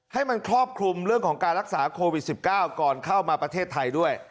ให้มันครอบคลุมเรื่องของการรักษาโควิด๑๙ก่อนเข้ามาประเทศไทยด้วย